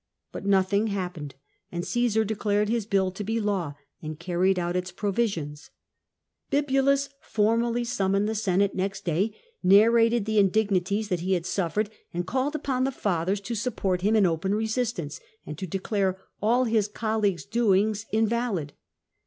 But nothing happened, and Csesar declared his bill to be law, and carried out its provisions. Bibulus formally sxxmmoned the Senate next day, narrated the indii'nitics that he liad suffered, and called upon the Fathers to supp«)rl him in open rcsistam^e, and to declare all his colleague's doings invalid.